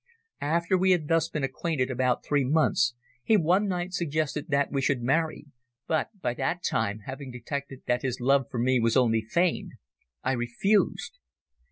After we had thus been acquainted about three months, he one night suggested that we should marry, but by that time, having detected that his love for me was only feigned, I refused.